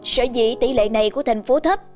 sở dĩ tỷ lệ này của thành phố thấp